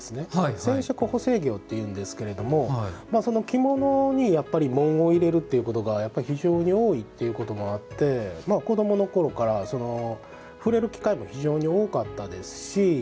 染色補正業っていうんですけど着物に、やっぱり紋を入れるということが非常に多いってことがあって子どものころから触れる機会も非常に多かったですし。